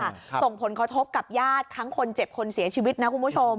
ส่งผลกระทบกับญาติทั้งคนเจ็บคนเสียชีวิตนะคุณผู้ชม